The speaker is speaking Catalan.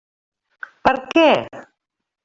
Per què?